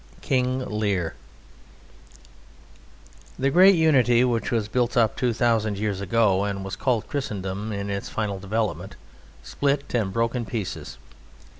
"King Lear" The great unity which was built up two thousand years ago and was called Christendom in its final development split and broke in pieces.